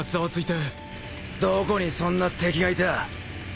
どこにそんな敵がいた？